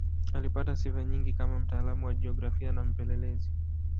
Alipata sifa nyingi kama mtaalamu wa jiografia na mpelelezi.